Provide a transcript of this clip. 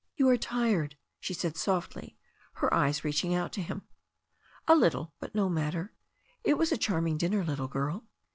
"You are tired," she said softly, her eyes reaching out to him. "A little, but no matter. It was a charming dinner, little girl."